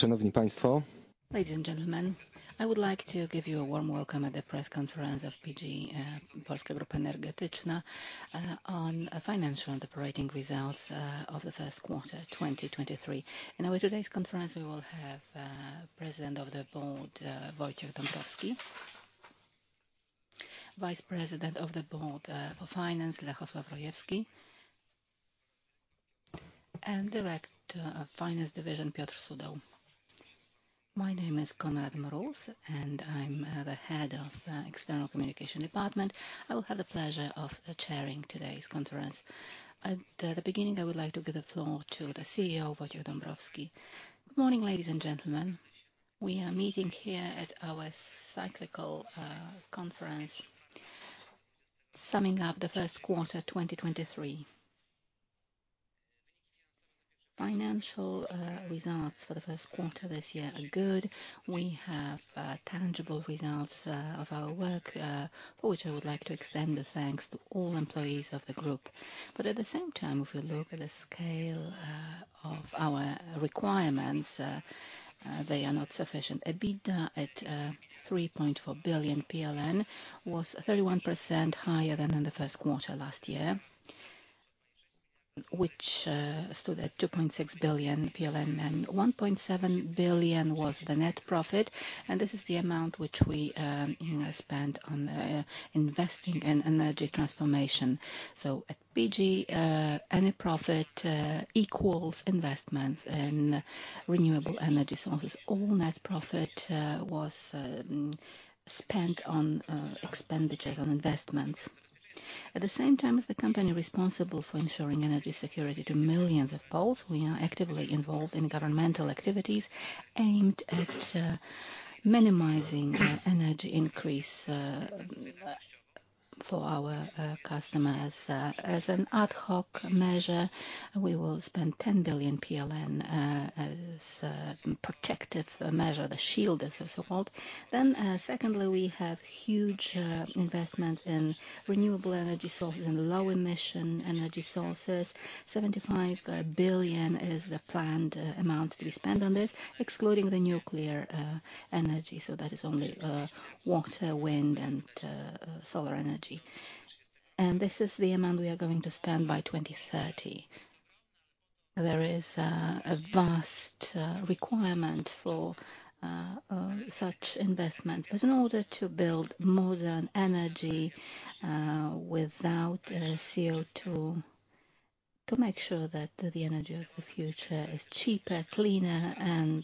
Szanowni Państwo. Ladies, and gentlemen, I would like to give you a warm welcome at the Press Conference of PGE Polska Grupa Energetyczna on Financial and Operating Results of the First Quarter 2023. At today's conference, we will have President of the Management Board, Wojciech Dąbrowski; Vice-President of the Management Board for Finance, Lechosław Rojewski; and Director of Finance Division, Piotr Sudoł. My name is Konrad Mróz, and I'm the Head of External Communication Department. I will have the pleasure of chairing today's conference. At the beginning, I would like to give the floor to the CEO, Wojciech Dąbrowski. Good morning, ladies, and gentlemen. We are meeting here at our cyclical conference, summing up the first quarter 2023. Financial results for the first quarter this year are good. We have tangible results of our work, for which I would like to extend a thanks to all employees of the group. At the same time, if we look at the scale of our requirements, they are not sufficient. EBITDA at 3.4 billion PLN was 31% higher than in the first quarter last year, which stood at 2.6 billion PLN, and 1.7 billion was the net profit. This is the amount which we, you know, spent on investing in energy transformation. At PGE, any profit equals investments in renewable energy sources. All net profit was spent on expenditures on investments. At the same time, as the company responsible for ensuring energy security to millions of Poles, we are actively involved in governmental activities aimed at minimizing energy increase for our customers. As an ad hoc measure, we will spend 10 billion PLN as a protective measure, the shield as is called. Secondly, we have huge investments in renewable energy sources and low emission energy sources. 75 billion is the planned amount to be spent on this, excluding the nuclear energy, so that is only water, wind, and solar energy. This is the amount we are going to spend by 2030. There is a vast requirement for such investments. In order to build modern energy, without CO2, to make sure that the energy of the future is cheaper, cleaner, and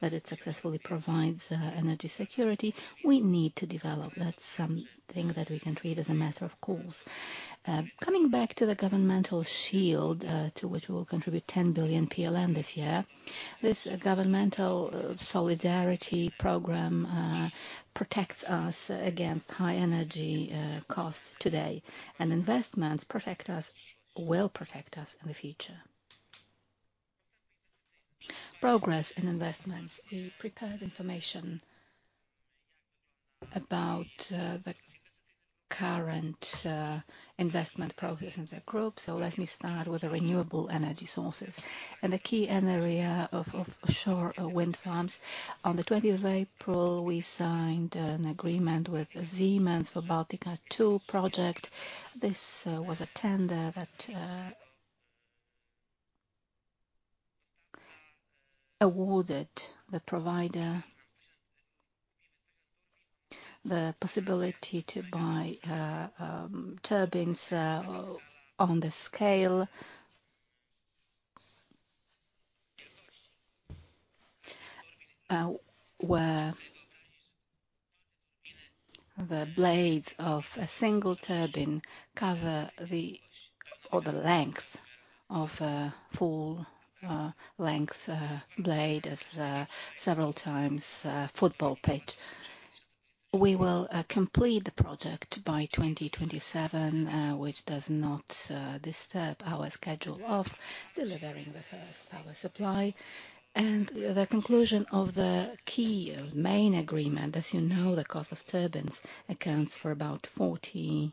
that it successfully provides energy security, we need to develop. That's something that we can treat as a matter of course. Coming back to the governmental shield, to which we'll contribute 10 billion PLN this year, this governmental solidarity program protects us against high energy costs today, and investments protect us, will protect us in the future. Progress in investments. We prepared information about the current investment progress in the group, so let me start with the renewable energy sources. In the key area of offshore wind farms, on the 20th of April, we signed an agreement with Siemens for Baltica 2 project. This was a tender that awarded the provider the possibility to buy turbines on the scale where the blades of a single turbine cover the, or the length of a full length blade as several times a football pitch. We will complete the project by 2027, which does not disturb our schedule of delivering the first power supply. The conclusion of the key main agreement, as you know, the cost of turbines accounts for about 40%,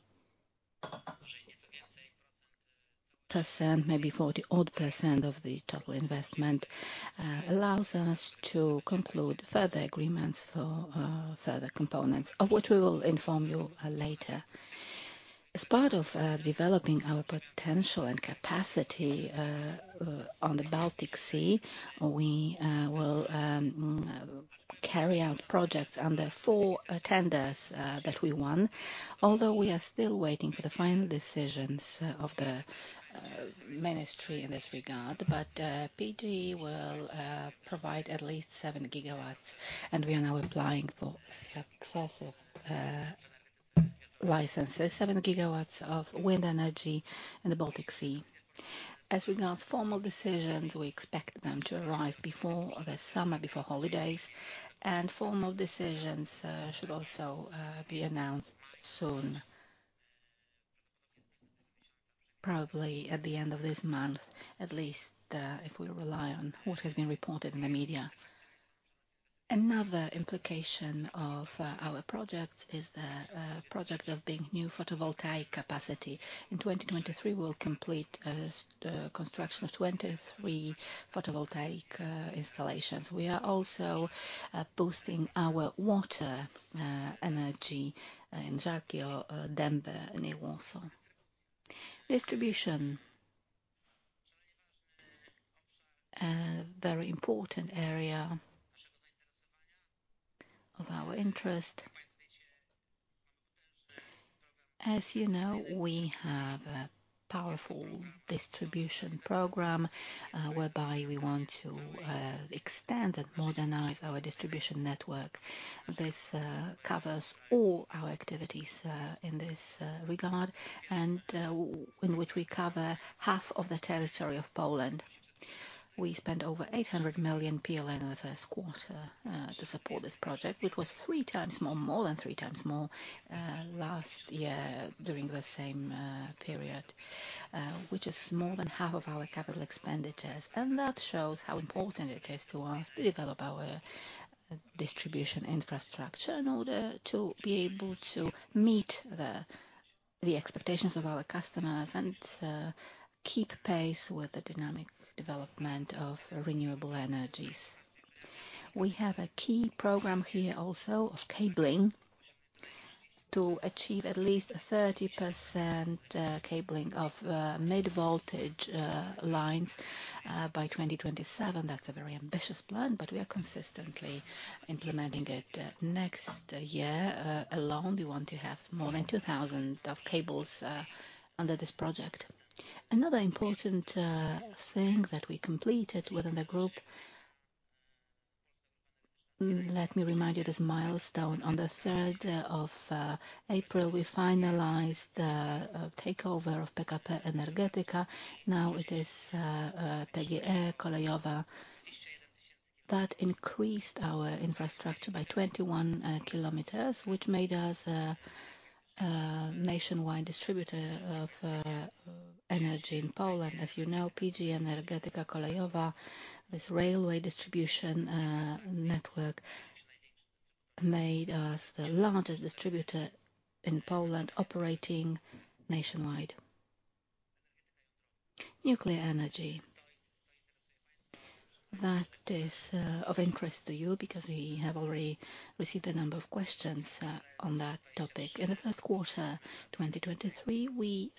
maybe 40-odd% of the total investment, allows us to conclude further agreements for further components, of which we will inform you later. As part of developing our potential and capacity on the Baltic Sea, we will carry out projects under four tenders that we won, although we are still waiting for the final decisions of the Ministry in this regard. PGE will provide at least 7 GW, and we are now applying for successive licenses, 7 GW of wind energy in the Baltic Sea. As regards formal decisions, we expect them to arrive before the summer, before holidays. Formal decisions should also be announced soon, probably at the end of this month, at least if we rely on what has been reported in the media. Another implication of our project is the project of being new photovoltaic capacity. In 2023, we'll complete the construction of 23 photovoltaic installations. We are also boosting our water energy in Żarki, Dębe, and Wrocław. Distribution. Very important area of our interest. As you know, we have a powerful distribution program, whereby we want to extend and modernize our distribution network. This covers all our activities in this regard, and in which we cover half of the territory of Poland. We spent over 800 million PLN in the first quarter to support this project, which was more than three times more last year during the same period, which is more than half of our capital expenditures. That shows how important it is to us to develop our distribution infrastructure in order to be able to meet the expectations of our customers and keep pace with the dynamic development of renewable energies. We have a key program here also of cabling to achieve at least 30% cabling of mid-voltage lines by 2027. That's a very ambitious plan, but we are consistently implementing it. Next year alone, we want to have more than 2,000 of cables under this project. Another important thing that we completed within the group, let me remind you this milestone. On the 3rd of April, we finalized the takeover of PKP Energetyka. Now it is PGE Kolejowa. That increased our infrastructure by 21 kilometers, which made us a nationwide distributor of energy in Poland. As you know, PGE Energetyka Kolejowa, this railway distribution network made us the largest distributor in Poland operating nationwide. Nuclear energy. That is of interest to you because we have already received a number of questions on that topic. In the first quarter, 2023, we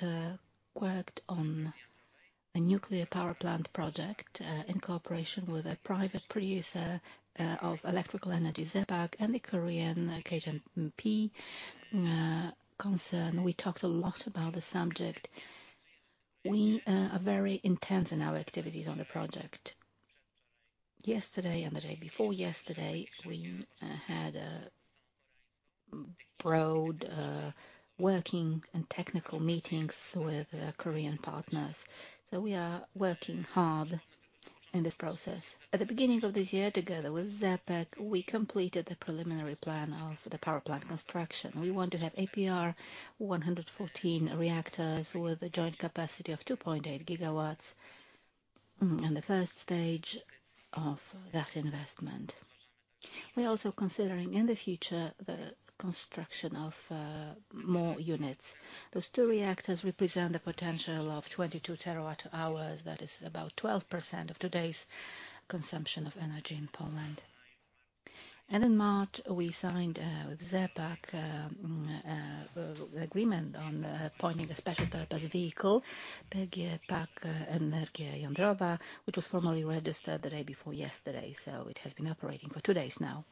worked on a nuclear power plant project in cooperation with a private producer of electrical energy, ZE PAK, and the Korean KHNP concern. We talked a lot about this subject. We are very intense in our activities on the project. Yesterday and the day before yesterday, we had a broad working and technical meetings with the Korean partners. We are working hard in this process. At the beginning of this year, together with ZE PAK, we completed the preliminary plan of the power plant construction. We want to have APR-1400 reactors with a joint capacity of 2.8 GW in the first stage of that investment. We're also considering, in the future, the construction of more units. Those two reactors represent the potential of 22 TWh. That is about 12% of today's consumption of energy in Poland. In March, we signed with ZE PAK the agreement on appointing a special purpose vehicle, PGE PAK Energia Jądrowa, which was formally registered the day before yesterday, so it has been operating for two days now.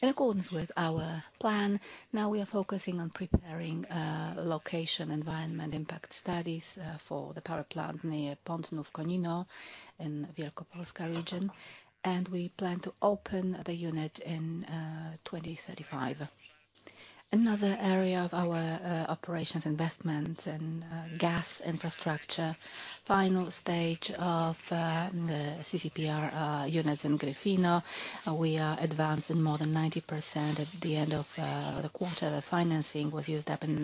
In accordance with our plan, now we are focusing on preparing location environment impact studies for the power plant near Pątnów-Konino in Wielkopolska region, and we plan to open the unit in 2035. Another area of our operations, investments and gas infrastructure, final stage of the CCGT units in Gryfino. We are advanced in more than 90%. At the end of the quarter, the financing was used up in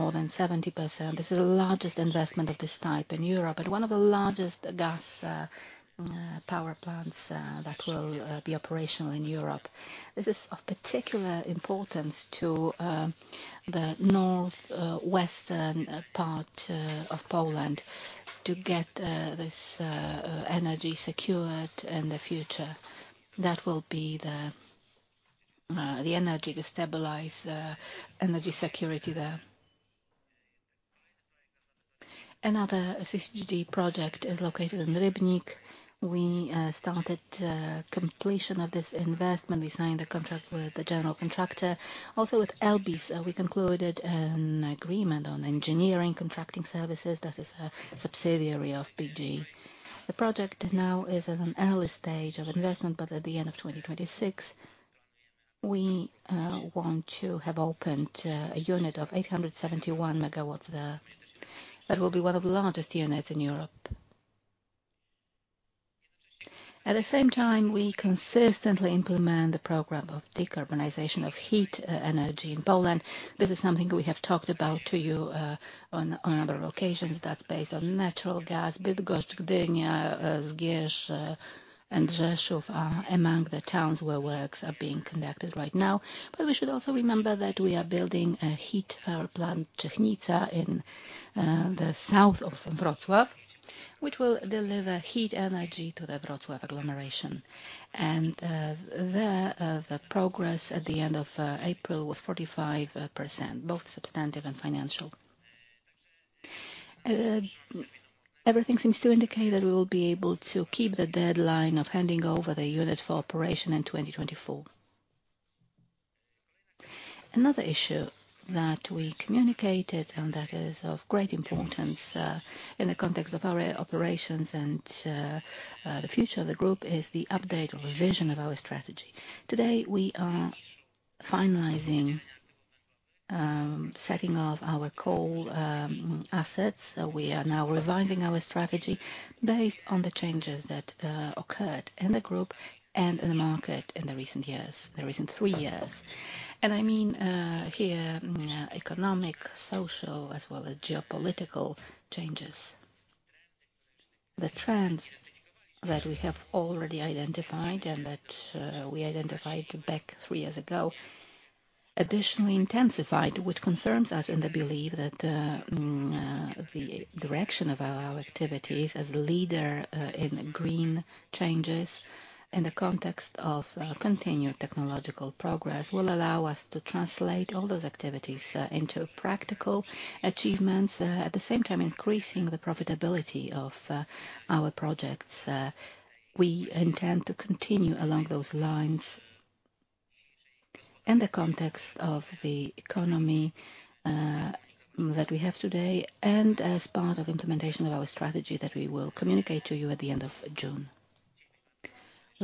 more than 70%. This is the largest investment of this type in Europe and one of the largest gas power plants that will be operational in Europe. This is of particular importance to the northwestern part of Poland to get this energy secured in the future. That will be the energy to stabilize energy security there. Another CCGT project is located in Rybnik. We started completion of this investment. We signed a contract with the general contractor. Also with Elbis, so we concluded an agreement on engineering contracting services. That is a subsidiary of PGE. The project now is at an early stage of investment, but at the end of 2026, we want to have opened a unit of 871 MW there. That will be one of the largest units in Europe. At the same time, we consistently implement the program of decarbonization of heat energy in Poland. This is something we have talked about to you on other occasions that's based on natural gas. Bydgoszcz, Gdańsk, Zgierz, and Rzeszów are among the towns where works are being conducted right now. But we should also remember that we are building a heat plant Czechnica in the south of Wrocław, which will deliver heat energy to the Wrocław agglomeration. And the progress at the end of April was 45%, both substantive and financial. Everything seems to indicate that we will be able to keep the deadline of handing over the unit for operation in 2024. Another issue that we communicated, and that is of great importance in the context of our operations and the future of the group, is the update or revision of our strategy. Today, we are finalizing setting up our coal assets. We are now revising our strategy based on the changes that occurred in the group and in the market in the recent years, the recent three years. I mean here economic, social as well as geopolitical changes. The trends that we have already identified and that we identified back three years ago, additionally intensified, which confirms us in the belief that the direction of our activities as a leader in green changes in the context of continued technological progress will allow us to translate all those activities into practical achievements, at the same time, increasing the profitability of our projects. We intend to continue along those lines in the context of the economy that we have today and as part of implementation of our strategy that we will communicate to you at the end of June.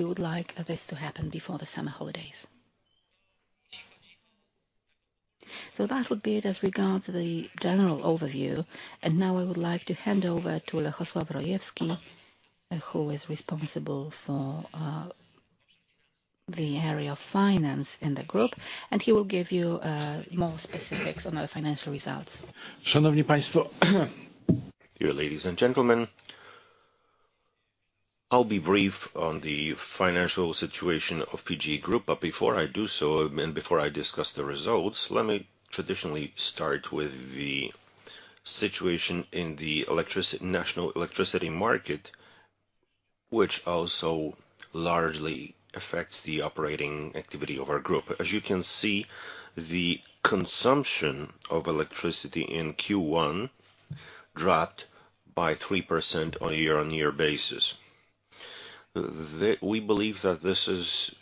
We would like this to happen before the summer holidays. That would be it as regards the general overview. Now I would like to hand over to Lechosław Rojewski, who is responsible for the area of finance in the Group, and he will give you more specifics on our financial results. Dear ladies, and gentlemen, I'll be brief on the financial situation of PGE Group, but before I do so and before I discuss the results, let me traditionally start with the situation in the national electricity market, which also largely affects the operating activity of our group. As you can see, the consumption of electricity in Q1 dropped by 3% on a year-on-year basis. We believe that this is,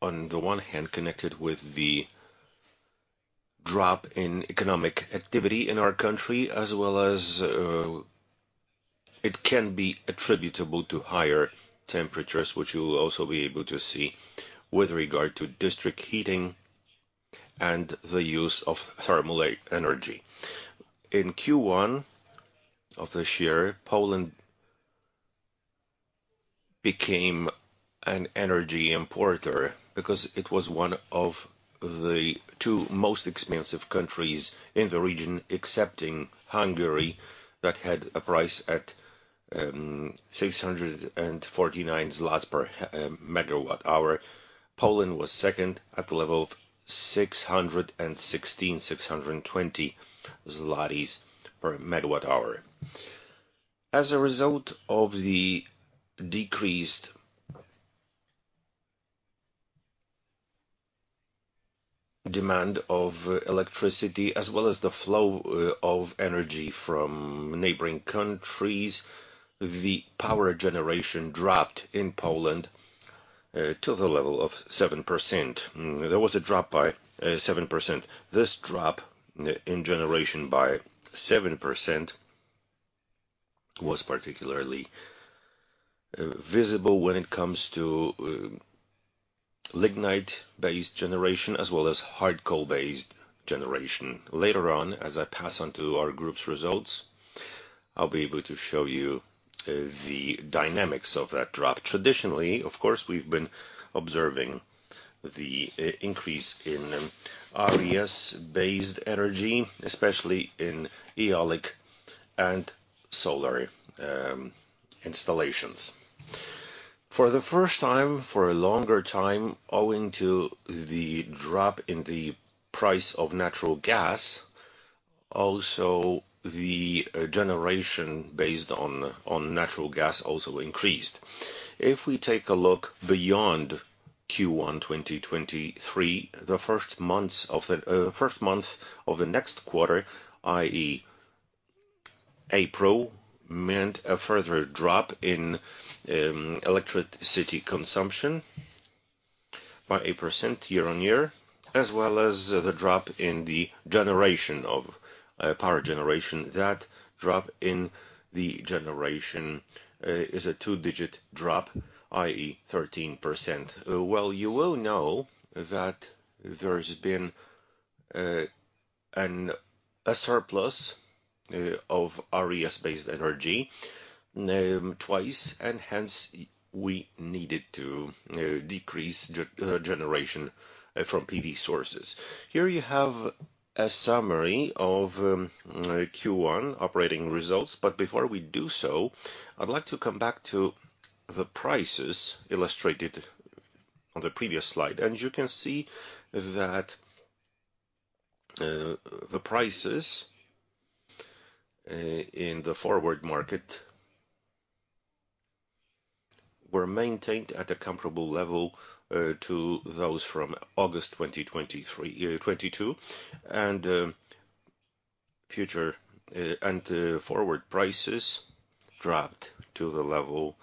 on the one hand, connected with the drop in economic activity in our country, as well as, it can be attributable to higher temperatures, which you'll also be able to see with regard to district heating and the use of thermal energy. In Q1 of this year, Poland became an energy importer because it was one of the two most expensive countries in the region, excepting Hungary, that had a price at 649 zlotys per MWh. Poland was second at the level of 616, 620 zlotys per MWh. As a result of the decreased demand of electricity as well as the flow of energy from neighboring countries, the power generation dropped in Poland to the level of 7%. There was a drop by 7%. This drop in generation by 7% was particularly visible when it comes to lignite-based generation as well as hard coal-based generation. Later on, as I pass on to our group's results, I'll be able to show you the dynamics of that drop. Traditionally, of course, we've been observing the increase in RES-based energy, especially in eolic and solar installations. For the first time, for a longer time, owing to the drop in the price of natural gas, also the generation based on natural gas also increased. If we take a look beyond Q1 2023, the first months of the first month of the next quarter, i.e., April, meant a further drop in electricity consumption by 8% year-on-year, as well as the drop in the generation of power generation. That drop in the generation is a two-digit drop, i.e., 13%. Well, you will know that there's been a surplus of RES-based energy twice, and hence we needed to decrease generation from PV sources. Here you have a summary of Q1 operating results. Before we do so, I'd like to come back to the prices illustrated on the previous slide. You can see that the prices in the forward market were maintained at a comparable level to those from August 2023, 22. Future and forward prices dropped to the level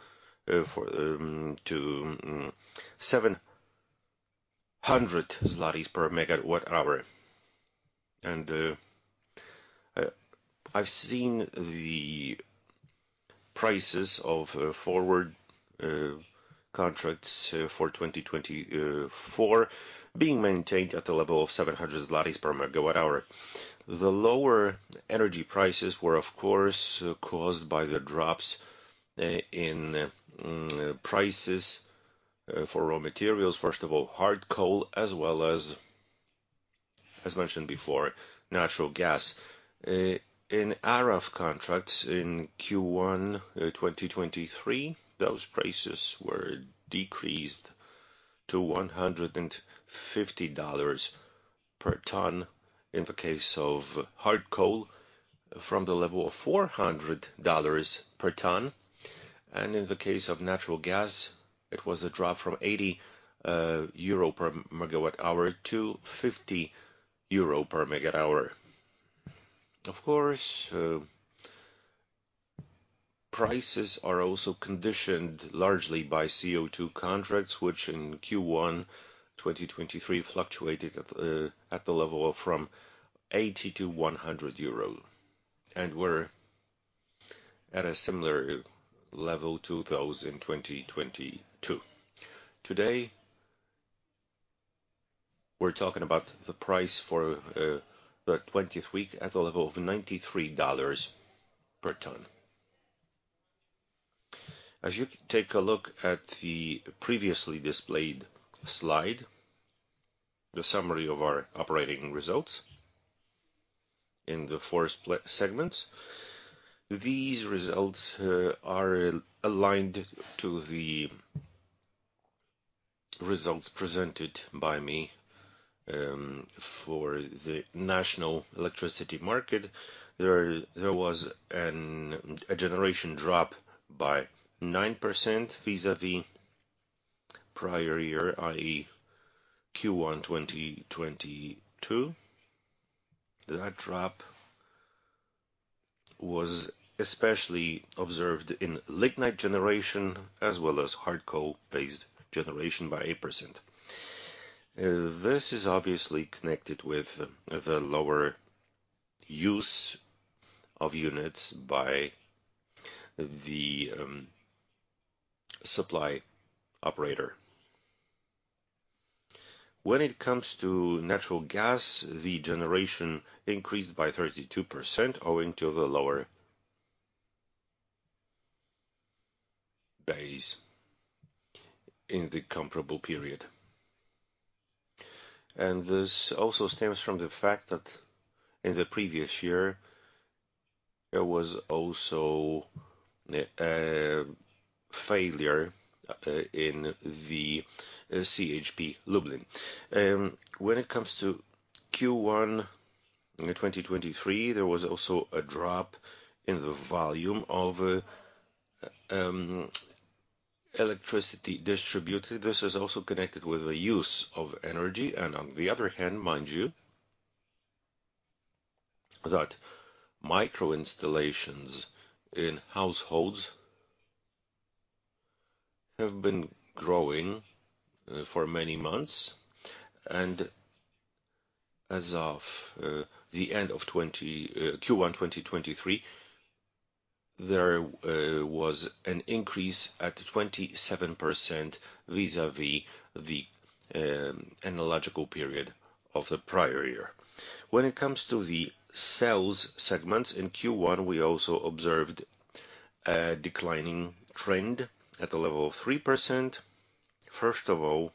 for to 700 zlotys per MWh. I've seen the prices of forward contracts for 2024 being maintained at the level of 700 zlotys per MWh. The lower energy prices were, of course, caused by the drops in prices for raw materials. First of all, hard coal, as well as mentioned before, natural gas. In ARA contracts in Q1 2023, those prices were decreased to $150 per ton in the case of hard coal, from the level of $400 per ton. In the case of natural gas, it was a drop from 80 euro per MWh to 50 euro per MWh. Of course, prices are also conditioned largely by CO2 contracts, which in Q1 2023 fluctuated at the level of from 80-100 euro and were at a similar level to those in 2022. Today, we're talking about the price for the 20th week at the level of $93 per ton. As you take a look at the previously displayed slide, the summary of our operating results in the four segments. These results are aligned to the results presented by me for the national electricity market. There was a generation drop by 9% vis-a-vis prior year, i.e. Q1, 2022. That drop was especially observed in lignite generation, as well as hard coal-based generation by 8%. This is obviously connected with the lower use of units by the supply operator. When it comes to natural gas, the generation increased by 32% owing to the lower base in the comparable period. This also stems from the fact that in the previous year, there was also a failure in the CHP Lublin. When it comes to Q1, 2023, there was also a drop in the volume of electricity distributed. This is also connected with the use of energy. On the other hand, mind you, that micro installations in households have been growing for many months. As of the end of 20 Q1 2023, there was an increase at 27% vis-a-vis the analogical period of the prior year. When it comes to the sales segments, in Q1, we also observed a declining trend at the level of 3%. First of all,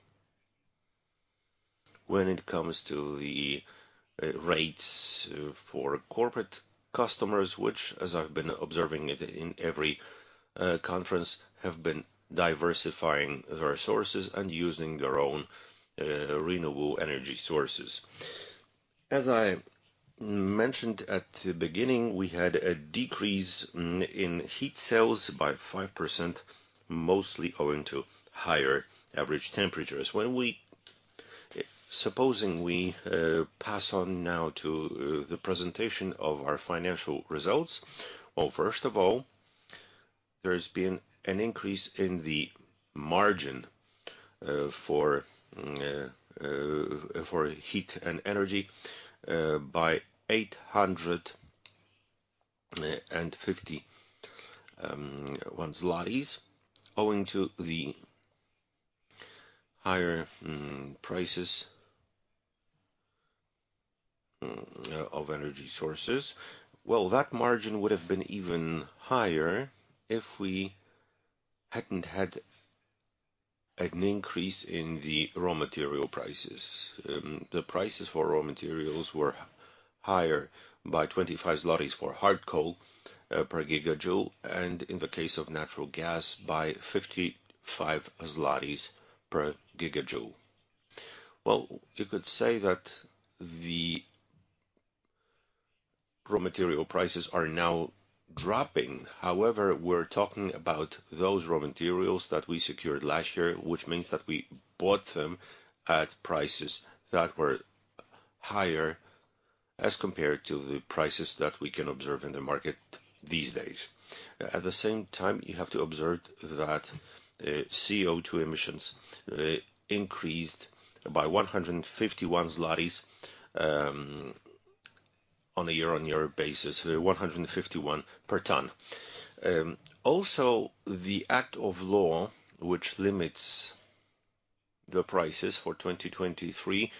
when it comes to the rates for corporate customers, which as I've been observing it in every conference, have been diversifying their sources and using their own renewable energy sources. As I mentioned at the beginning, we had a decrease in heat sales by 5%, mostly owing to higher average temperatures. Supposing we pass on now to the presentation of our financial results. Well, first of all, there's been an increase in the margin for heat and energy by 851 zlotys owing to the higher prices of energy sources. Well, that margin would have been even higher if we hadn't had an increase in the raw material prices. The prices for raw materials were higher by 25 zlotys for hard coal per gigajoule, and in the case of natural gas, by 55 zlotys per GJ. Well, you could say that the raw material prices are now dropping. We're talking about those raw materials that we secured last year, which means that we bought them at prices that were higher as compared to the prices that we can observe in the market these days. At the same time, you have to observe that CO2 emissions increased by 151 zlotys, on a year-on-year basis, 151 per ton. Also, the act of law which limits the prices for 2023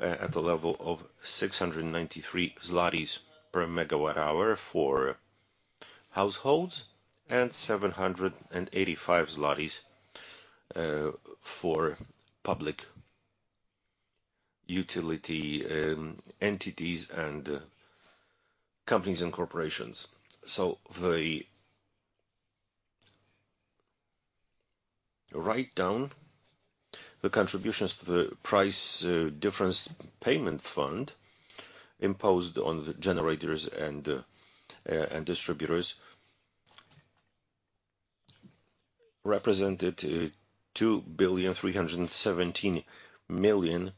at the level of 693 zlotys per MWh for households, and 785 zlotys for public utility entities and companies and corporations. The write down, the contributions to the Price Difference Payment Fund imposed on the generators and distributors represented 2,317 million,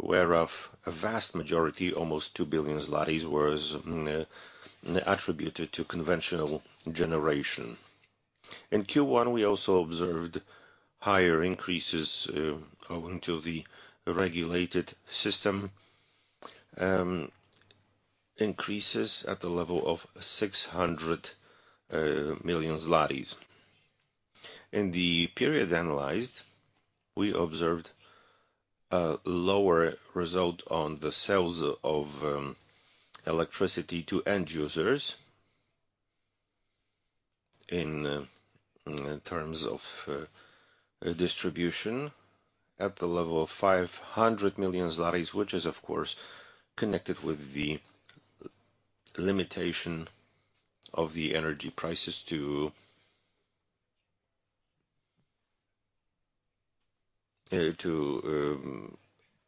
whereof a vast majority, almost 2 billion zlotys, was attributed to conventional generation. In Q1, we also observed higher increases owing to the regulated system, increases at the level of 600 million zlotys. In the period analyzed, we observed a lower result on the sales of electricity to end users in terms of distribution at the level of 500 million zlotys, which is, of course, connected with the limitation of the energy prices to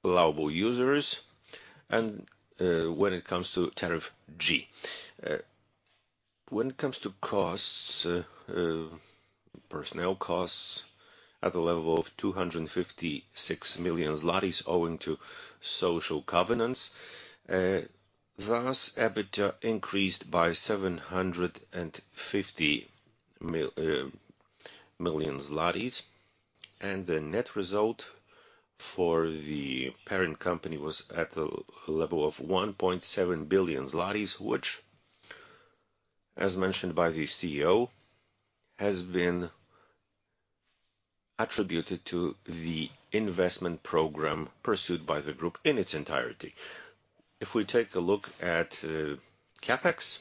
allowable users and when it comes to tariff G. When it comes to costs, personnel costs at the level of 256 million zlotys, owing to social covenants, thus, EBITDA increased by 750 million zlotys, and the net result for the parent company was at the level of 1.7 billion zlotys, which as mentioned by the CEO, has been attributed to the investment program pursued by the group in its entirety. If we take a look at CapEx,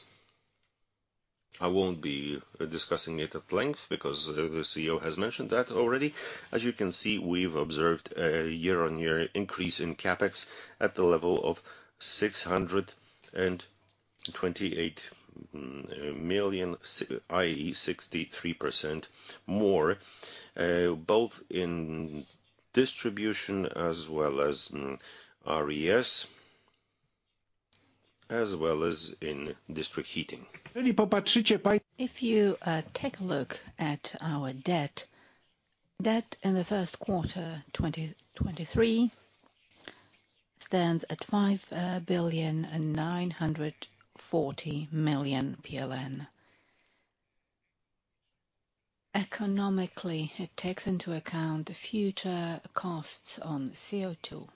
I won't be discussing it at length because the CEO has mentioned that already. As you can see, we've observed a year-on-year increase in CapEx at the level of 628 million, i.e., 63% more, both in distribution as well as RES, as well as in district heating. If you take a look at our debt in the first quarter 2023 stands at PLN 5.94 billion. Economically, it takes into account the future costs on CO2.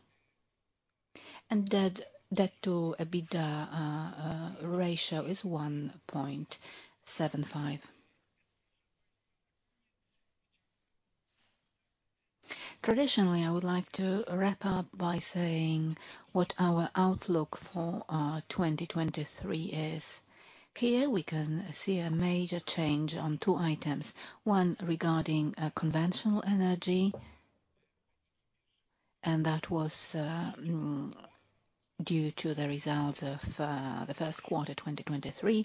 Debt-to-EBITDA ratio is 1.75. Traditionally, I would like to wrap up by saying what our outlook for 2023 is. Here, we can see a major change on two items. One, regarding conventional energy, and that was due to the results of the first quarter 2023,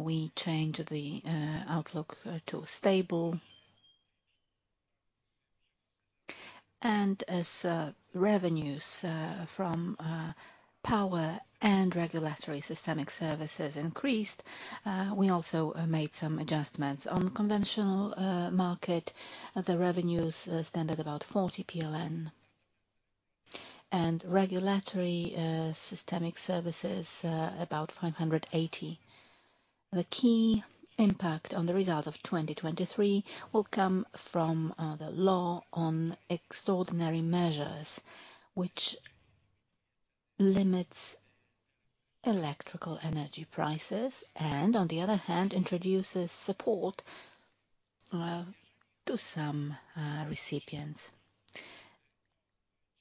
we changed the outlook to stable. As revenues from power and regulatory systemic services increased, we also made some adjustments. On conventional market, the revenues stand at about 40 PLN, and regulatory systemic services about 580. The key impact on the results of 2023 will come from the law on extraordinary measures, which limits electrical energy prices, and on the other hand, introduces support to some recipients.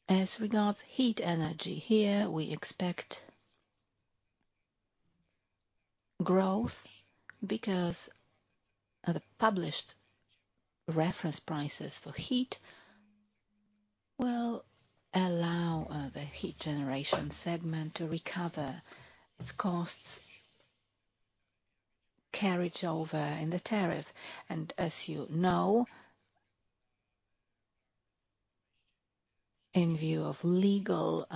As regards heat energy, here we expect growth because of the published reference prices for heat will allow the heat generation segment to recover its costs carried over in the tariff. And as you know, in view of legal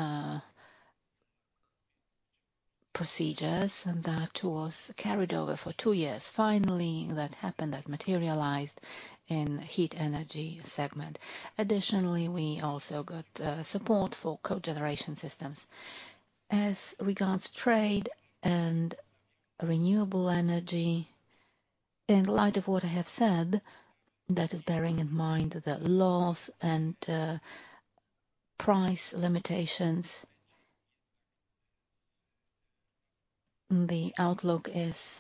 procedures, that was carried over for two years, finally, that happened, that materialized in heat energy segment. Additionally, we also got support for cogeneration systems. As regards trade and renewable energy, in light of what I have said, that is bearing in mind the laws and price limitations, the outlook is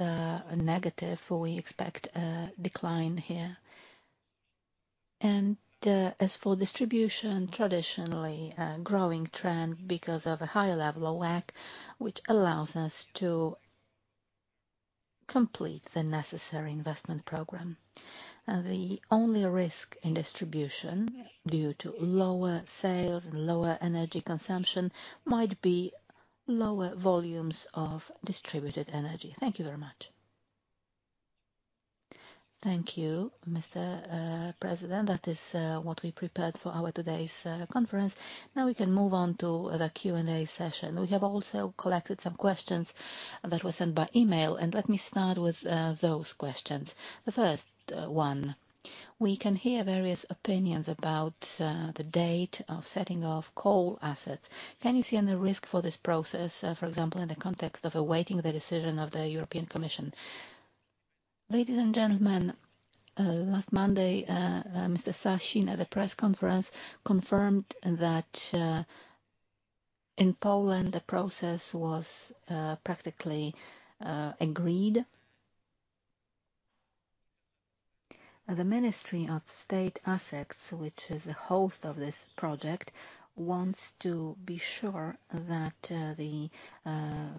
negative. We expect a decline here. As for distribution, traditionally a growing trend because of a high level of lag, which allows us to complete the necessary investment program. The only risk in distribution due to lower sales and lower energy consumption might be lower volumes of distributed energy. Thank you very much. Thank you, Mr. President. That is what we prepared for our today's conference. Now we can move on to the Q&A session. We have also collected some questions that were sent by email, and let me start with those questions. The first one, we can hear various opinions about the date of setting of coal assets. Can you see any risk for this process, for example, in the context of awaiting the decision of the European Commission? Ladies, and gentlemen, last Monday, Mr. Sasin at the press conference confirmed that in Poland, the process was practically agreed. The Ministry of State Assets, which is the host of this project, wants to be sure that the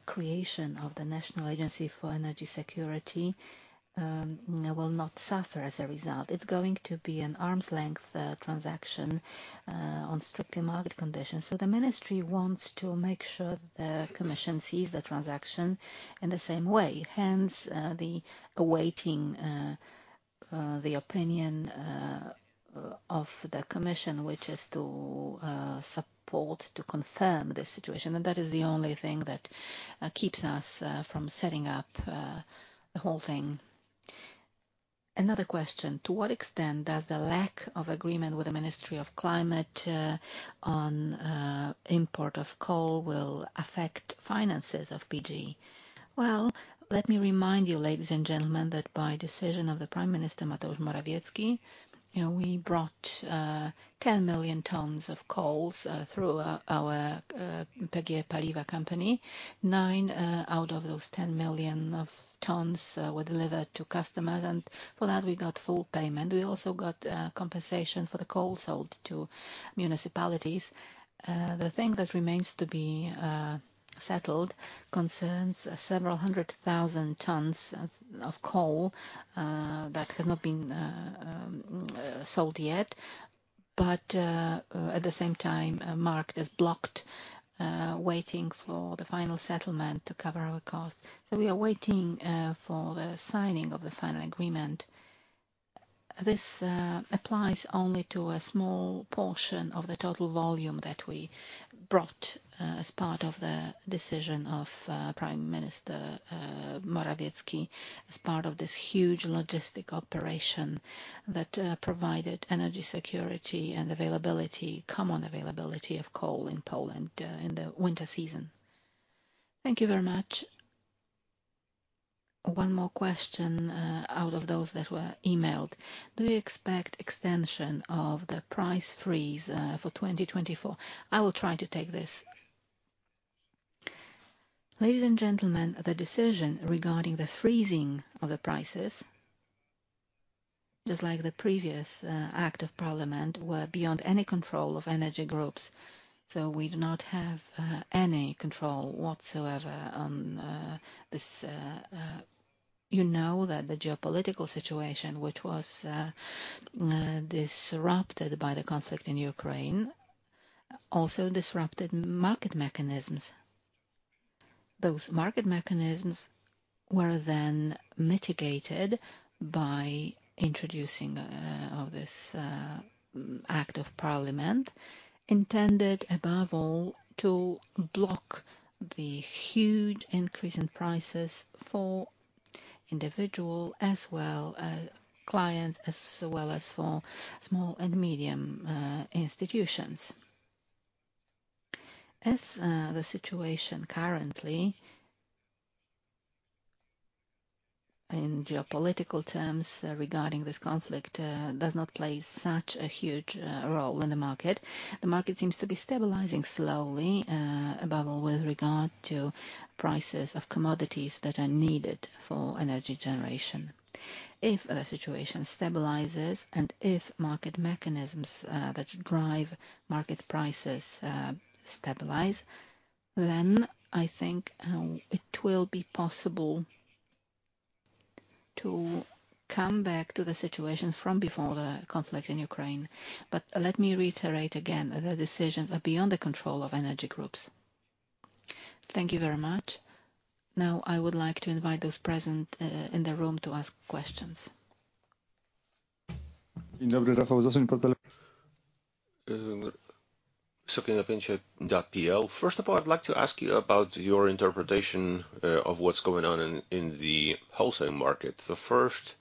creation of the National Agency for Energy Security will not suffer as a result. It's going to be an arm's length transaction on strictly market conditions. The ministry wants to make sure the commission sees the transaction in the same way. Hence, the awaiting the opinion of the commission, which is to support, to confirm the situation. That is the only thing that keeps us from setting up the whole thing. Another question, to what extent does the lack of agreement with the Ministry of Climate on import of coal will affect finances of PGE? Well, let me remind you, ladies and gentlemen, that by decision of the Prime Minister, Mateusz Morawiecki, you know, we brought 10 million tons of coals through our PGE Paliwa company. nine out of those 10 million tons were delivered to customers, and for that, we got full payment. We also got compensation for the coal sold to municipalities. The thing that remains to be settled concerns several hundred thousand tons of coal that has not been sold yet. At the same time, market is blocked, waiting for the final settlement to cover our costs. We are waiting for the signing of the final agreement. This applies only to a small portion of the total volume that we brought as part of the decision of Prime Minister Morawiecki, as part of this huge logistic operation that provided energy security and availability, common availability of coal in Poland in the winter season. Thank you very much. One more question out of those that were emailed. Do you expect extension of the price freeze for 2024? I will try to take this. Ladies, and gentlemen, the decision regarding the freezing of the prices, just like the previous act of parliament, were beyond any control of energy groups, so we do not have any control whatsoever on this. You know that the geopolitical situation, which was disrupted by the conflict in Ukraine, also disrupted market mechanisms. Those market mechanisms were then mitigated by introducing of this act of parliament, intended above all to block the huge increase in prices for individual as well clients, as well as for small and medium institutions. As the situation currently in geopolitical terms, regarding this conflict, does not play such a huge role in the market. The market seems to be stabilizing slowly, above all with regard to prices of commodities that are needed for energy generation. If the situation stabilizes and if market mechanisms that drive market prices stabilize, then I think it will be possible to come back to the situation from before the conflict in Ukraine. Let me reiterate again that the decisions are beyond the control of energy groups. Thank you very much. Now I would like to invite those present in the room to ask questions. First of all, I'd like to ask you about your interpretation of what's going on in the wholesale market. The first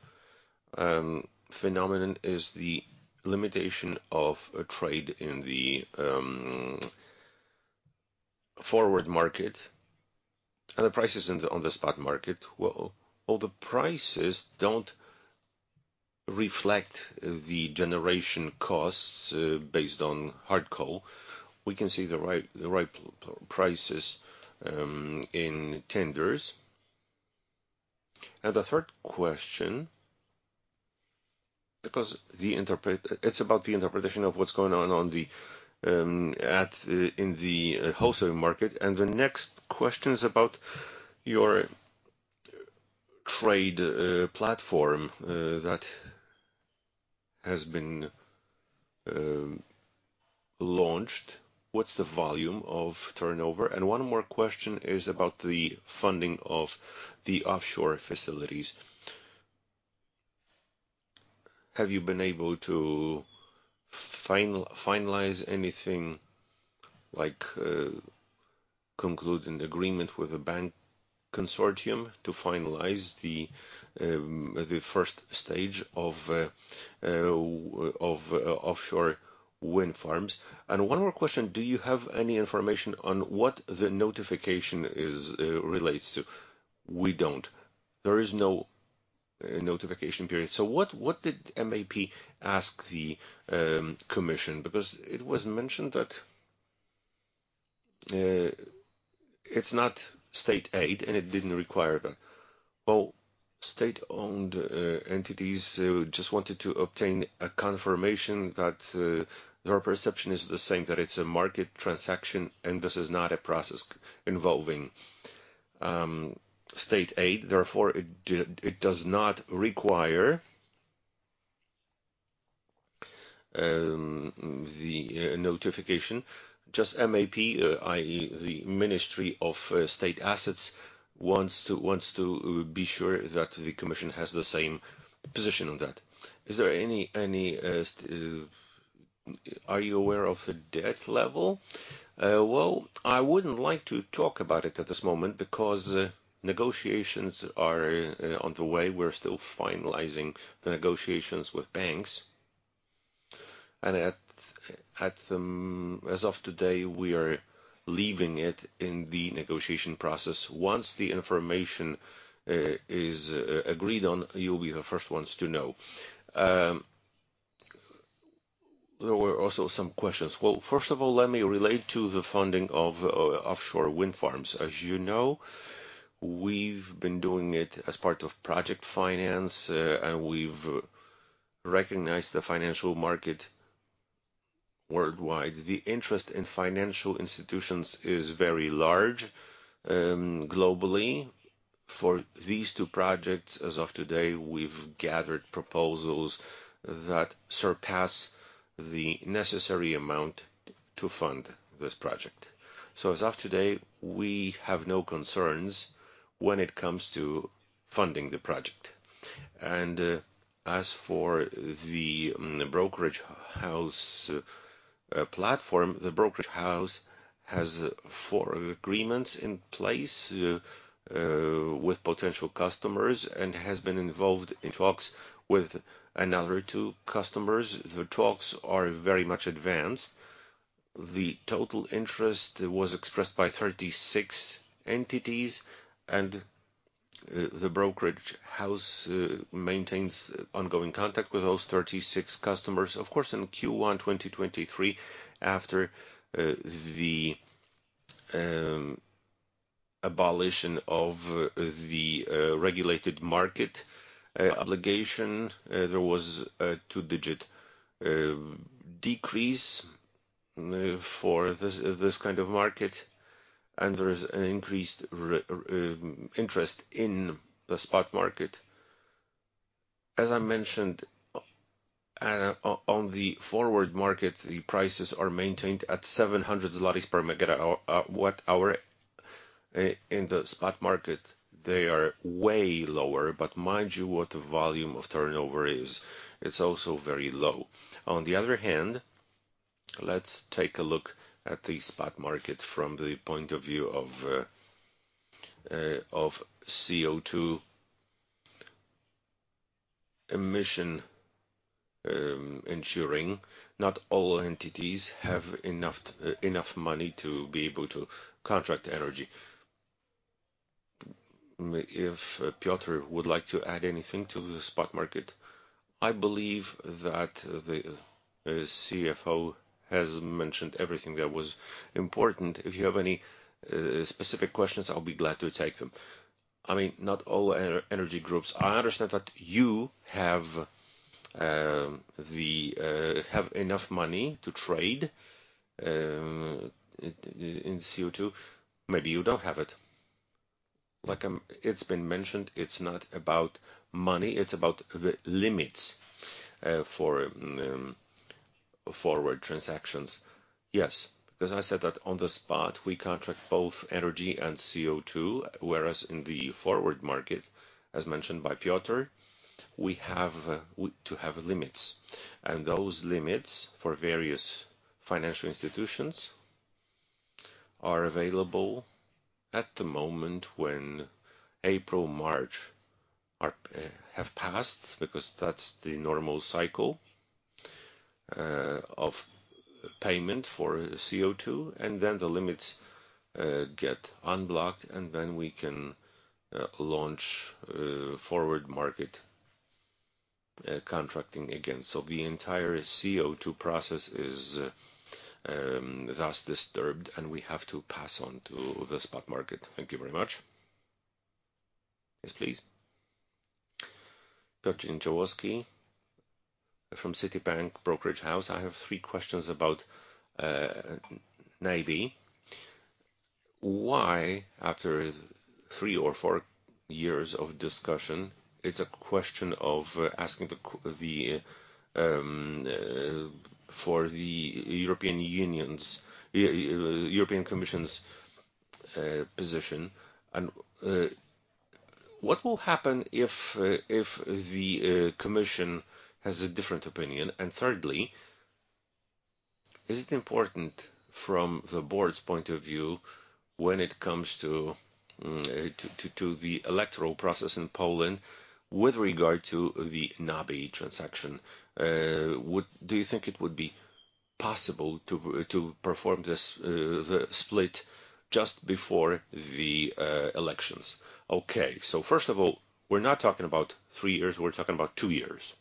phenomenon is the limitation of a trade in the forward market and the prices in the on the spot market. Well, all the prices don't reflect the generation costs based on hard coal. We can see the right prices in tenders. The third question, because it's about the interpretation of what's going on on the at in the wholesale market. The next question is about your trade platform that has been launched. What's the volume of turnover? One more question is about the funding of the offshore facilities. Have you been able to finalize anything like concluding agreement with a bank consortium to finalize the first stage of offshore wind farms? One more question, do you have any information on what the notification is relates to? We don't. There is no notification period. What did MAP ask the Commission? It was mentioned that it's not state aid and it didn't require that. All state-owned entities just wanted to obtain a confirmation that their perception is the same, that it's a market transaction and this is not a process involving state aid. It does not require the notification. Just MAP, i.e. the Ministry of State Assets wants to be sure that the Commission has the same position on that. Is there any, are you aware of the debt level? Well, I wouldn't like to talk about it at this moment because negotiations are on the way. We're still finalizing the negotiations with banks. As of today, we are leaving it in the negotiation process. Once the information is agreed on, you'll be the first ones to know. There were also some questions. Well, first of all, let me relate to the funding of offshore wind farms. As you know, we've been doing it as part of project finance, and we've recognized the financial market worldwide. The interest in financial institutions is very large globally. For these two projects, as of today, we've gathered proposals that surpass the necessary amount to fund this project. As of today, we have no concerns when it comes to funding the project. As for the brokerage house platform, the brokerage house has four agreements in place with potential customers and has been involved in talks with another two customers. The talks are very much advanced. The total interest was expressed by 36 entities, and the brokerage house maintains ongoing contact with those 36 customers. Of course, in Q1 2023, after the abolition of the regulated market obligation, there was a two-digit decrease for this kind of market, and there is an increased interest in the spot market. As I mentioned, on the forward market, the prices are maintained at 700 zlotys per MWh. In the spot market, they are way lower, but mind you what the volume of turnover is. It's also very low. On the other hand, let's take a look at the spot market from the point of view of of CO2 emission, ensuring not all entities have enough money to be able to contract energy. If Piotr would like to add anything to the spot market, I believe that the CFO has mentioned everything that was important. If you have any specific questions, I'll be glad to take them. I mean, not all energy groups. I understand that you have the have enough money to trade in CO2. Maybe you don't have it. Like, it's been mentioned, it's not about money, it's about the limits for forward transactions. Yes, because I said that on the spot, we contract both energy and CO2, whereas in the forward market, as mentioned by Piotr, we have to have limits. Those limits for various financial institutions are available at the moment when April, March are have passed, because that's the normal cycle of payment for CO2. The limits get unblocked, and then we can launch forward market contracting again. The entire CO2 process is thus disturbed, and we have to pass on to the spot market. Thank you very much. Yes, please. Dominik Jaworski from Citibank Brokerage House. I have three questions about NABE. Why, after three or four years of discussion, it's a question of asking the for the European Union's, European Commission's position? What will happen if the Commission has a different opinion? Thirdly, is it important from the board's point of view when it comes to the electoral process in Poland with regard to the NABE transaction? Do you think it would be possible to perform this split just before the elections? First of all, we're not talking about three years, we're talking about two years.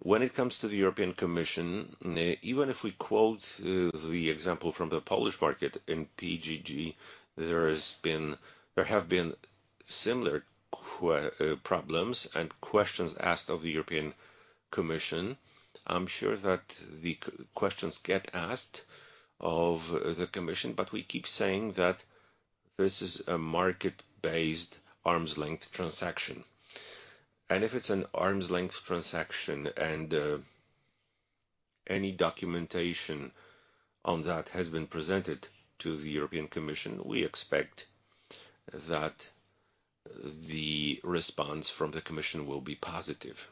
When it comes to the European Commission, even if we quote the example from the Polish market in PGG, there have been similar problems and questions asked of the European Commission. I'm sure that the questions get asked of the Commission, but we keep saying that this is a market-based arm's-length transaction. If it's an arm's-length transaction and any documentation on that has been presented to the European Commission, we expect that the response from the commission will be positive.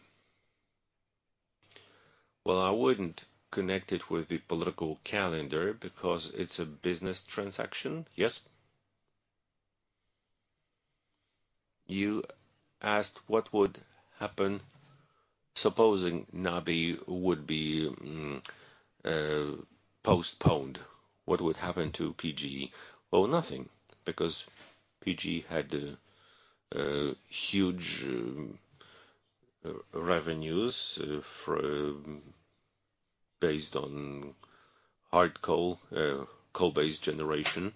I wouldn't connect it with the political calendar because it's a business transaction. You asked what would happen supposing NABE would be postponed. What would happen to PGE? Nothing, because PGE had huge revenues for, based on hard coal-based generation.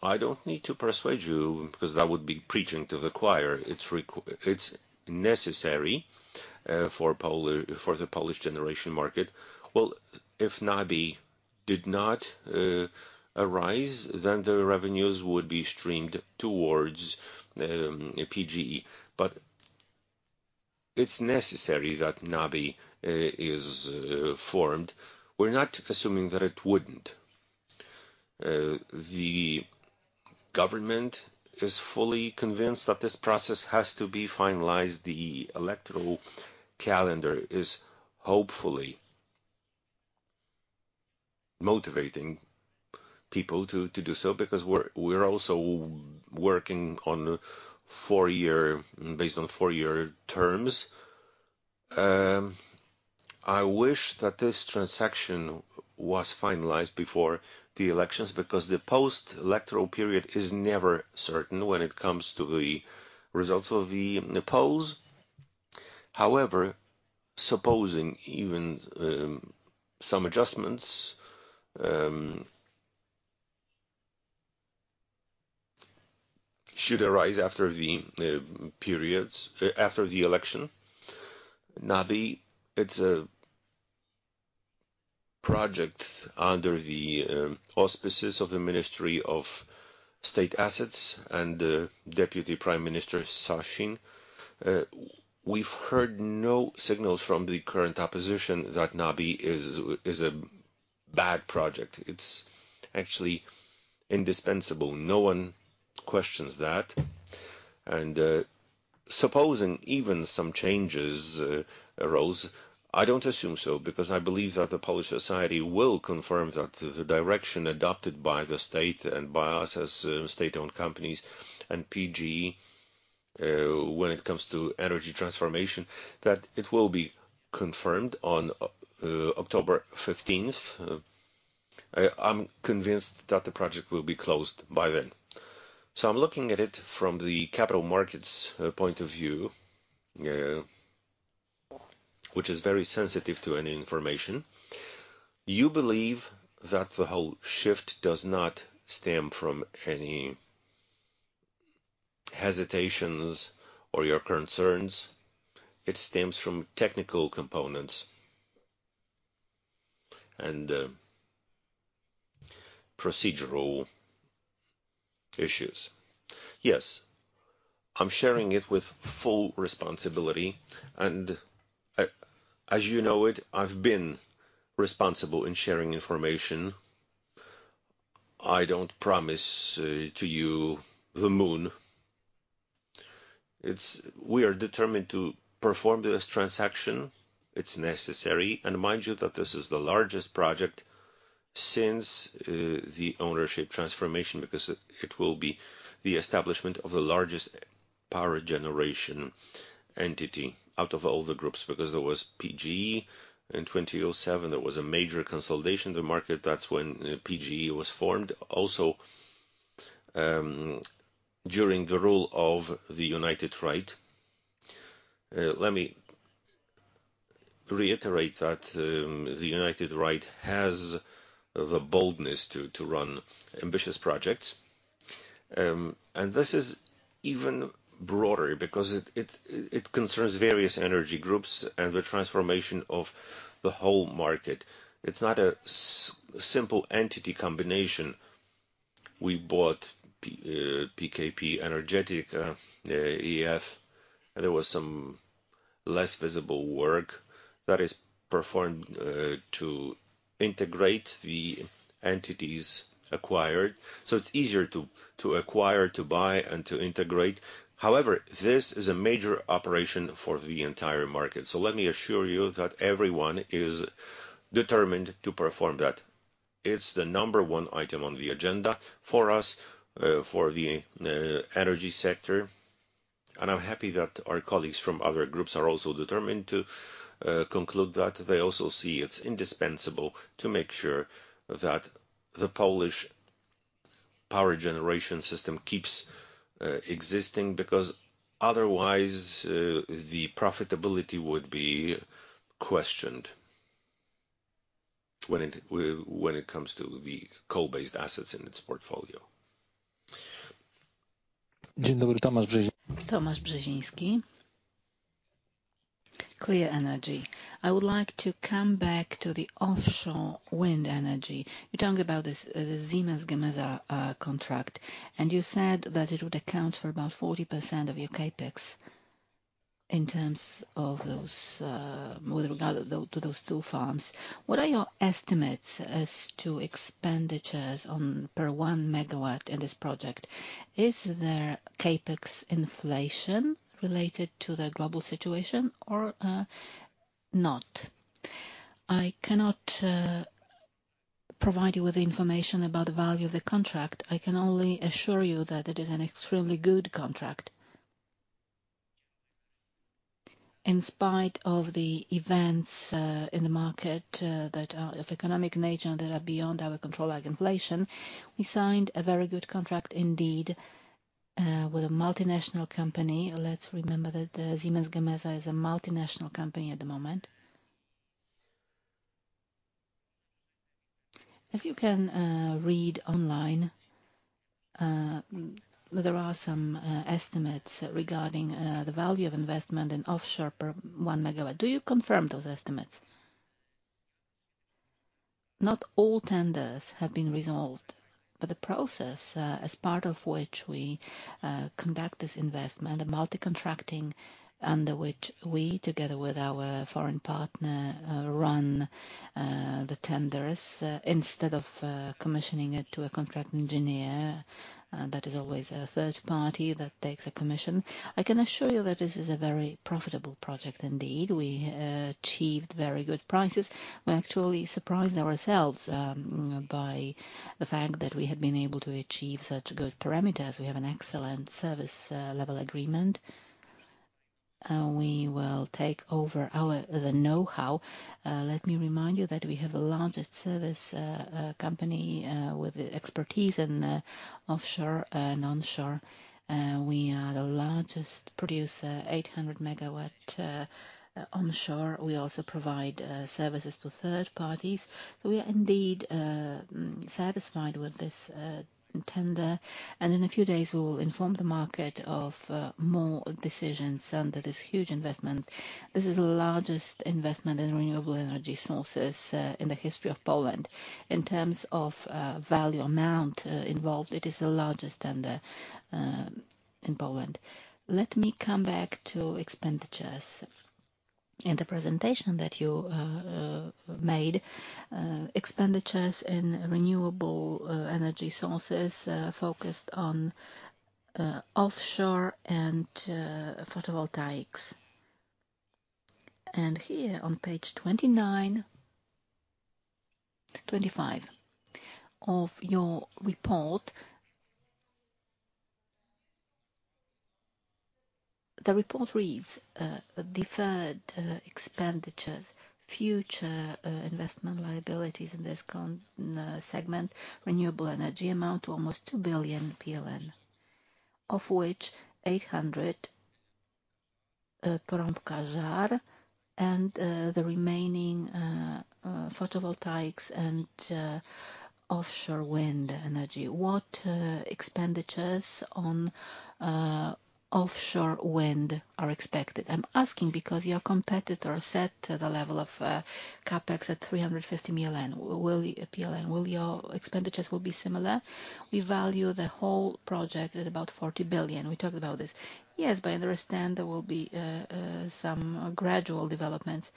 I don't need to persuade you, because that would be preaching to the choir. It's necessary for the Polish generation market. If NABE did not arise, then the revenues would be streamed towards PGE. It's necessary that NABE is formed. We're not assuming that it wouldn't. The government is fully convinced that this process has to be finalized. The electoral calendar is hopefully motivating people to do so, because we're also working on four-year, based on four-year terms. I wish that this transaction was finalized before the elections because the post-electoral period is never certain when it comes to the results of the polls. However, supposing even some adjustments should arise after the periods after the election, NABE, it's a project under the auspices of the Ministry of State Assets and the Deputy Prime Minister, Sasin. We've heard no signals from the current opposition that NABE is a bad project. It's actually indispensable. No one questions that. Supposing even some changes arose, I don't assume so, because I believe that the Polish society will confirm that the direction adopted by the state and by us as state-owned companies and PGE. When it comes to energy transformation, that it will be confirmed on October 15th. I'm convinced that the project will be closed by then. I'm looking at it from the capital markets point of view, which is very sensitive to any information. You believe that the whole shift does not stem from any hesitations or your concerns, it stems from technical components and procedural issues? Yes. I'm sharing it with full responsibility, and as you know it, I've been responsible in sharing information. I don't promise to you the moon. We are determined to perform this transaction. It's necessary. Mind you, that this is the largest project since the ownership transformation because it will be the establishment of the largest power generation entity out of all the groups. There was PGE in 2007, there was a major consolidation in the market, that's when PGE was formed. During the rule of the United Right. Let me reiterate that the United Right has the boldness to run ambitious projects. This is even broader because it concerns various energy groups and the transformation of the whole market. It's not a simple entity combination. We bought PKP Energetyka, EF, there was some less visible work that is performed to integrate the entities acquired. It's easier to acquire, to buy, and to integrate. This is a major operation for the entire market. Let me assure you that everyone is determined to perform that. It's the number one item on the agenda for us, for the energy sector. I'm happy that our colleagues from other groups are also determined to conclude that. They also see it's indispensable to make sure that the Polish power generation system keeps existing, because otherwise, the profitability would be questioned when it comes to the coal-based assets in its portfolio. Dzień dobry. Tomasz Brzeziński Tomasz Brzeziński, Clear Energy. I would like to come back to the offshore wind energy. You talked about this, the Siemens Gamesa contract, and you said that it would account for about 40% of your CapEx in terms of those, with regard to those two farms. What are your estimates as to expenditures on per 1 MW in this project? Is there CapEx inflation related to the global situation or, not? I cannot provide you with the information about the value of the contract. I can only assure you that it is an extremely good contract. In spite of the events in the market that are of economic nature and that are beyond our control, like inflation, we signed a very good contract indeed, with a multinational company. Let's remember that Siemens Gamesa is a multinational company at the moment. As you can read online, there are some estimates regarding the value of investment in offshore per 1 MW. Do you confirm those estimates? Not all tenders have been resolved. The process, as part of which we conduct this investment, the multi-contracting under which we, together with our foreign partner, run the tenders, instead of commissioning it to a contract engineer, that is always a third party that takes a commission. I can assure you that this is a very profitable project indeed. We achieved very good prices. We're actually surprised ourselves by the fact that we had been able to achieve such good parameters. We have an excellent service level agreement. We will take over the know-how. Let me remind you that we have the largest service company with the expertise in offshore and onshore. We are the largest producer, 800 MW onshore. We also provide services to third parties. We are indeed satisfied with this tender. In a few days, we will inform the market of more decisions under this huge investment. This is the largest investment in renewable energy sources in the history of Poland. In terms of value amount involved, it is the largest tender in Poland. Let me come back to expenditures. In the presentation that you made, expenditures in renewable energy sources focused on offshore and photovoltaics. Here on page 29. 25 of your report. The report reads, deferred, expenditures, future, investment liabilities in this segment, renewable energy amount to almost 2 billion PLN, of which 800, And, the remaining, photovoltaics and, offshore wind energy. What, expenditures on, offshore wind are expected? I'm asking because your competitor set the level of, CapEx at 350 million. Will your expenditures be similar? We value the whole project at about 40 billion. We talked about this. Yes, I understand there will be, some gradual developments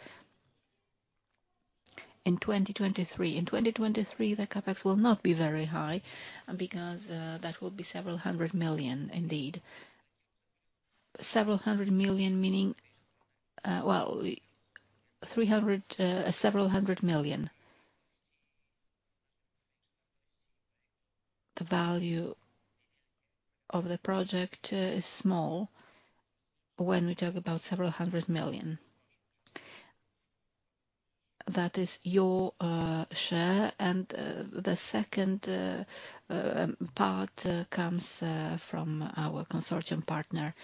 in 2023. In 2023, the CapEx will not be very high because, that will be several hundred million indeed. Several hundred million meaning? Well, 300, several hundred million. The value of the project is small when we talk about several hundred million. That is your share. The second part comes from our consortium partner.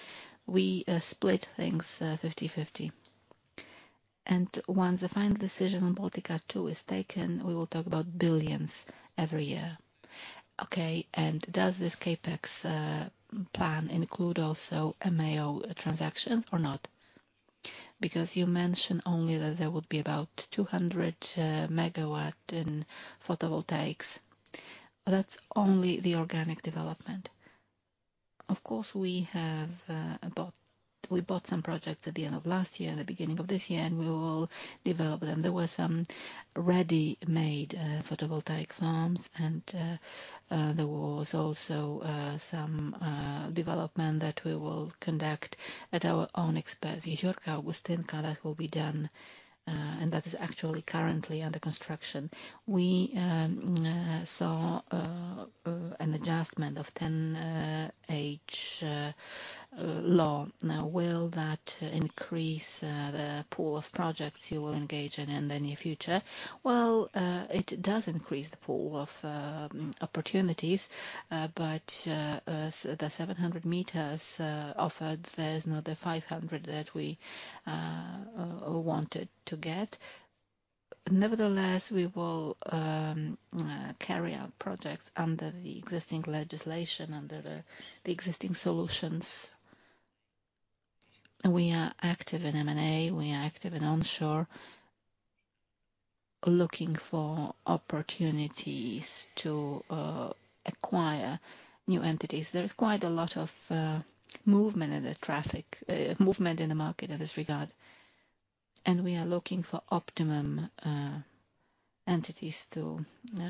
We split things 50/50. Once the final decision on Baltica 2 is taken, we will talk about billions every year. Okay. Does this CapEx plan include also M&A transactions or not? Because you mentioned only that there would be about 200 MW in photovoltaics. That's only the organic development. Of course, we bought some projects at the end of last year, the beginning of this year, and we will develop them. There were some ready-made photovoltaic farms and there was also some development that we will conduct at our own expense. will be done, and that is actually currently under construction. We saw an adjustment of 10 H law. Will that increase the pool of projects you will engage in in the near future? Well, it does increase the pool of opportunities. The 700 m offered, there's not the 500 that we wanted to get. Nevertheless, we will carry out projects under the existing legislation, under the existing solutions. We are active in M&A. We are active in onshore, looking for opportunities to acquire new entities. There is quite a lot of movement in the traffic, movement in the market in this regard, and we are looking for optimum entities to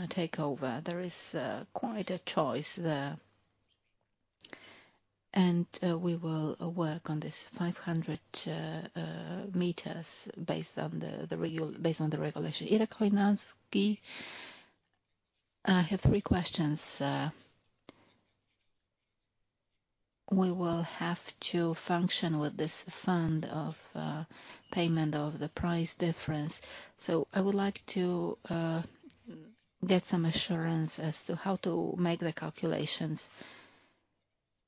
take over. There is quite a choice there. We will work on this 500 m based on the regulation. Ira Kołakowska. I have three questions. We will have to function with this Price Difference Payment Fund. I would like to get some assurance as to how to make the calculations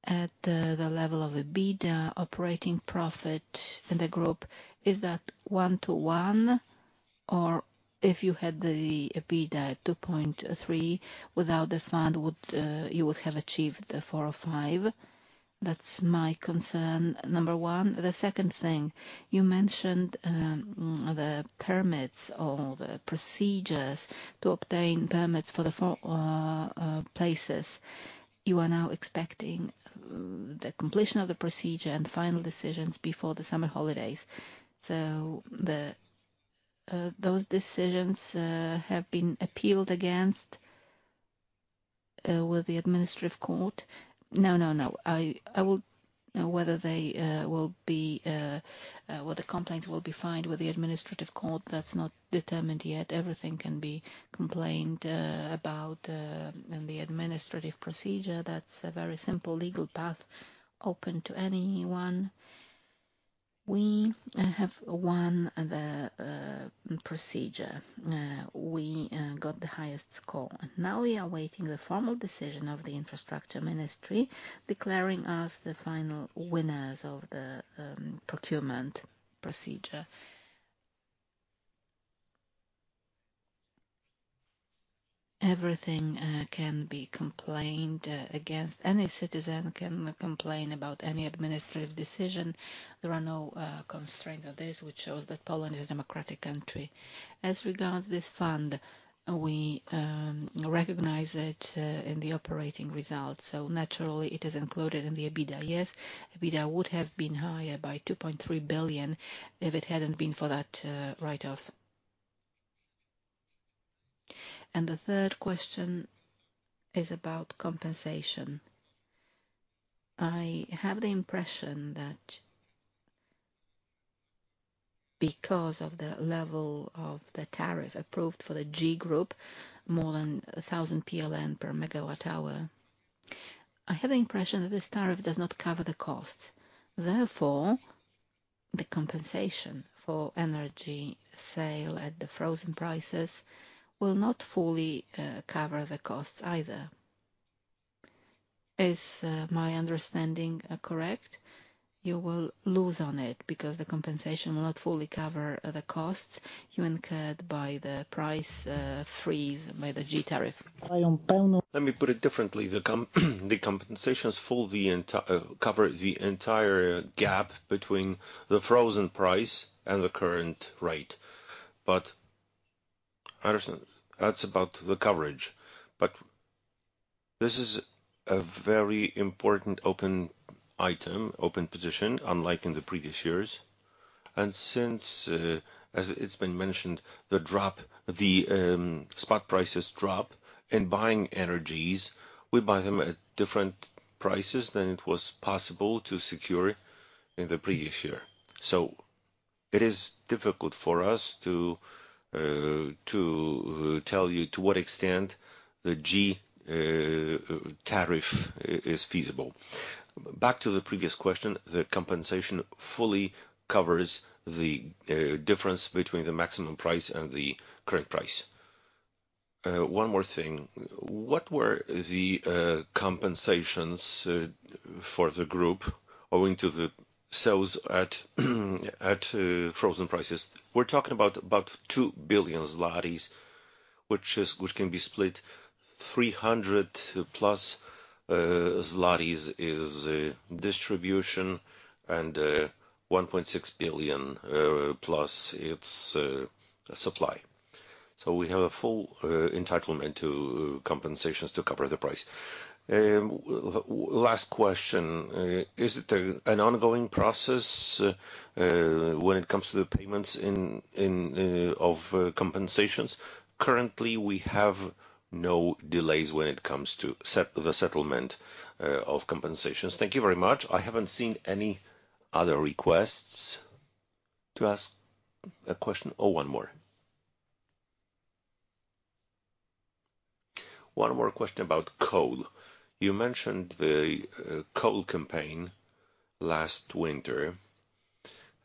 at the level of EBITDA operating profit in the group. Is that one-to-one? Or if you had the EBITDA at 2.3 billion without the fund, would you would have achieved the 4 or 5? That's my concern, number one. The second thing, you mentioned the permits or the procedures to obtain permits for the four places. You are now expecting the completion of the procedure and final decisions before the summer holidays. The those decisions have been appealed against with the administrative court? No, no. Whether the complaints will be filed with the administrative court, that's not determined yet. Everything can be complained about in the administrative procedure. That's a very simple legal path open to anyone. We have won the procedure. We got the highest score. Now we are awaiting the formal decision of the Ministry of Infrastructure declaring us the final winners of the procurement procedure. Everything can be complained against. Any citizen can complain about any administrative decision. There are no constraints on this, which shows that Poland is a democratic country. As regards this fund, we recognize it in the operating results. Naturally, it is included in the EBITDA. Yes, EBITDA would have been higher by 2.3 billion if it hadn't been for that write-off. The third question is about compensation. I have the impression that because of the level of the tariff approved for the G group, more than 1,000 PLN per MWh, I have the impression that this tariff does not cover the costs. The compensation for energy sale at the frozen prices will not fully cover the costs either. Is my understanding correct? You will lose on it because the compensation will not fully cover the costs you incurred by the price freeze by the G tariff. Let me put it differently. The compensations fully cover the entire gap between the frozen price and the current rate. I understand that's about the coverage. This is a very important open item, open position, unlike in the previous years. Since as it's been mentioned, the drop, the spot prices drop and buying energies, we buy them at different prices than it was possible to secure in the previous year. It is difficult for us to tell you to what extent the G tariff is feasible. Back to the previous question, the compensation fully covers the difference between the maximum price and the current price. One more thing. What were the compensations for the group owing to the sales at frozen prices? We're talking about 2 billion zlotys, which can be split 300+ zlotys is distribution and 1.6 billion+ its supply. We have a full entitlement to compensations to cover the price. Well, last question. Is it an ongoing process when it comes to the payments of compensations? Currently, we have no delays when it comes to the settlement of compensations. Thank you very much. I haven't seen any other requests to ask a question. One more question about coal. You mentioned the coal campaign last winter.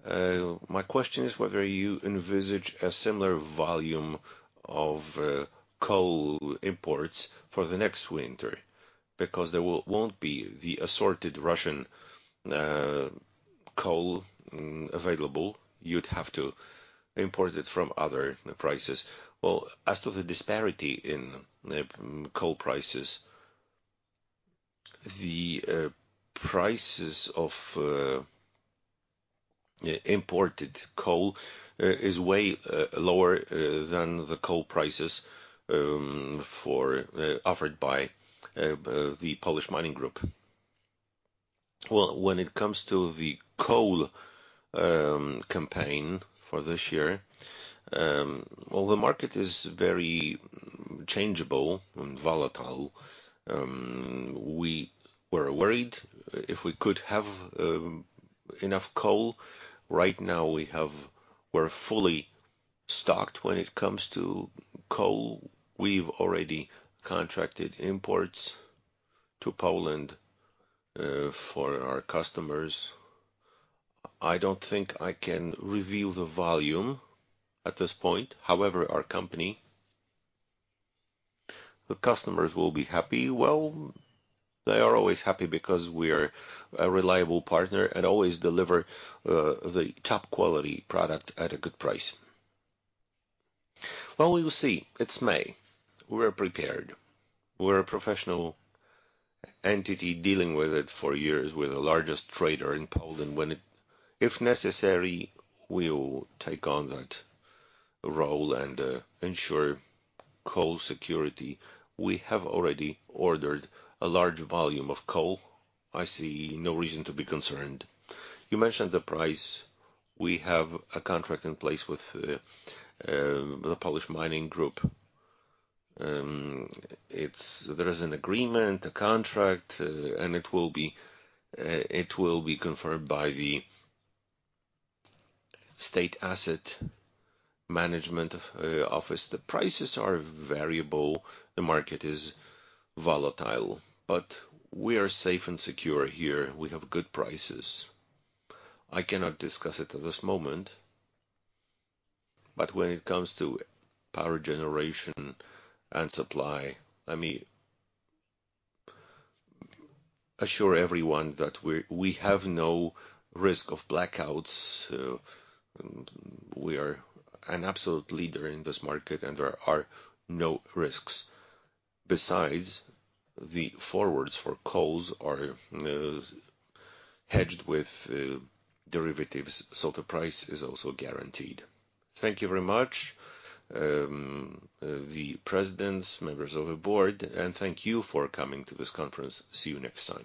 My question is whether you envisage a similar volume of coal imports for the next winter, because there won't be the assorted Russian coal available. You'd have to import it from other prices. Well, as to the disparity in coal prices, the prices of imported coal is way lower than the coal prices for offered by the Polish Mining Group. Well, when it comes to the coal campaign for this year, the market is very changeable and volatile. We were worried if we could have enough coal. Right now we're fully stocked when it comes to coal. We've already contracted imports to Poland for our customers. I don't think I can reveal the volume at this point. However, our company, the customers will be happy. Well, they are always happy because we are a reliable partner and always deliver the top-quality product at a good price. Well, we'll see. It's May. We're prepared. We're a professional entity dealing with it for years with the largest trader in Poland. If necessary, we'll take on that role and ensure coal security. We have already ordered a large volume of coal. I see no reason to be concerned. You mentioned the price. We have a contract in place with the Polish Mining Group. There is an agreement, a contract, and it will be confirmed by the State Asset Management Office. The prices are variable, the market is volatile, but we are safe and secure here. We have good prices. I cannot discuss it at this moment. When it comes to power generation and supply, let me assure everyone that we have no risk of blackouts, and we are an absolute leader in this market and there are no risks. Besides, the forwards for coals are hedged with derivatives, so the price is also guaranteed. Thank you very much, the presidents, members of the board, and thank you for coming to this conference. See you next time.